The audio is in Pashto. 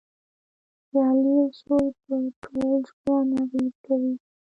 خیالي اصول په ټول ژوند اغېزه کوي.